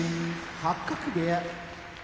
八角部屋